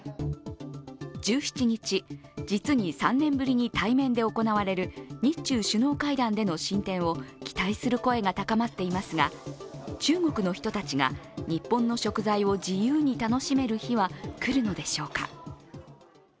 １７日、実に３年ぶりに対面で行われる日中首脳会談での進展を期待する声が高まっていますが中国の人たちが日本の食材を自由に楽しめる日は来るのでしょうか。